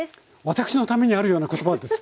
私のためにあるような言葉です！